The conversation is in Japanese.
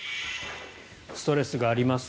ストレスがあります